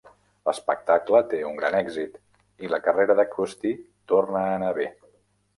L'espectacle té un gran èxit i la carrera de Krusty torna a anar bé.